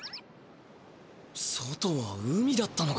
外は海だったのか。